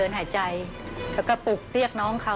สวัสดีครับ